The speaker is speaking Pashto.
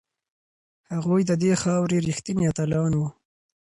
هغوی د دې خاورې ریښتیني اتلان وو.